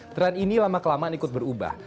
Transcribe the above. tren ini lama kelamaan ikut berubah